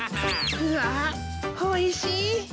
うわおいしい！